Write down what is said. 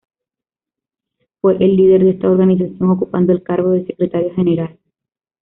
Fue el líder de esta organización, ocupando el cargo de secretario general.